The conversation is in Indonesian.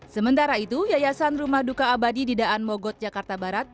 sementara itu yayasan rumah duka abadi di daan mogot jakarta barat